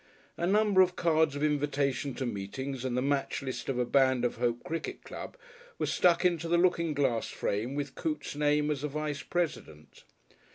A number of cards of invitation to meetings and the match list of a Band of Hope cricket club were stuck into the looking glass frame with Coote's name as a Vice President.